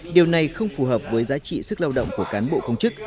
điều này không phù hợp với giá trị sức lao động của cán bộ công chức